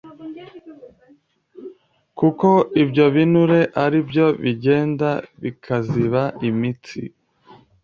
kuko ibyo binure ari byo bigenda bikaziba imitsi